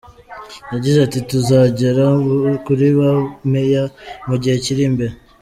Yagize ati “Tuzagera kuri ba meya mu gihe kiri imbere.